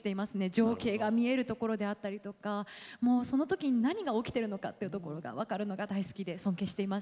情景が見えるところだったりとかその時に何が起きているのかというところが分かるのが大好きで尊敬しています。